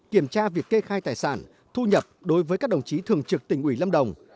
kiểm tra việc kê khai tài sản thu nhập đối với các đồng chí thường trực tỉnh ủy lâm đồng